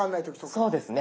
そうですね。